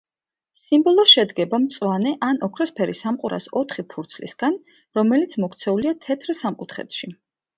სიმბოლო შედგება მწვანე ან ოქროსფერი სამყურას ოთხი ფურცლისგან, რომელიც მოქცეულია თეთრ სამკუთხედში.